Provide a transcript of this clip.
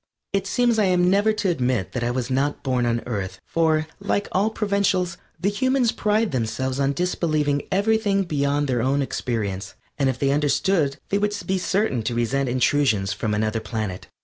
It seems I am never to admit that I was not born on Earth, for, like all provincials, the humans pride themselves on disbelieving everything beyond their own experience, and if they understood they would be certain to resent intrusions from another planet.